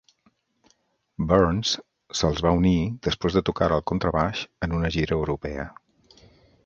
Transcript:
Burns se'ls va unir després de tocar el contrabaix en una gira europea.